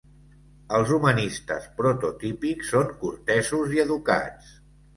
Els humanistes prototípics són cortesos i educats.